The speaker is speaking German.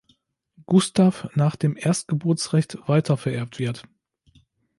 Gustaf nach dem Erstgeburtsrecht weitervererbt wird.